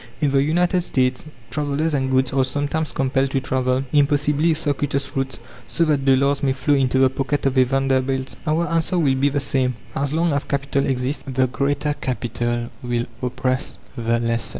In the United States travellers and goods are sometimes compelled to travel impossibly circuitous routes so that dollars may flow into the pocket of a Vanderbilt. Our answer will be the same: As long as Capital exists, the Greater Capital will oppress the lesser.